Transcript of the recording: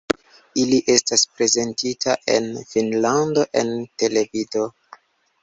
Ili estas prezentita en Finnlando en televido.